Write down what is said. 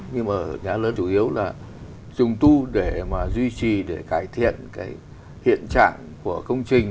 nhưng mà nhà lớn chủ yếu là trùng tu để mà duy trì để cải thiện cái hiện trạng của công trình